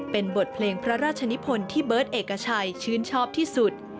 เป็นบทเพลงพระราชนิพลที่เบิร์ตเอกชัยชื่นชอบที่สุด